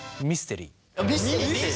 ミステリー！？